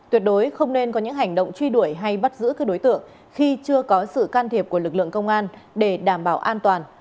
tuyệt đối không nên có những hành động truy đuổi hay bắt giữ các đối tượng khi chưa có sự can thiệp của lực lượng công an để đảm bảo an toàn